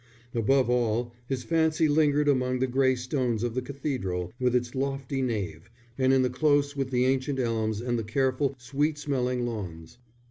Above all, his fancy lingered among the grey stones of the cathedral, with its lofty nave; and in the close with the ancient elms and the careful, sweet smelling lawns.